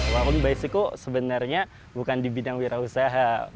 waktu itu saya sebenarnya bukan di bidang wira usaha